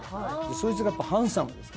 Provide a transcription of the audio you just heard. そいつがやっぱハンサムでさ・